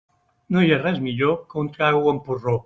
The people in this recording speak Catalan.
No hi ha res millor que un trago amb porró.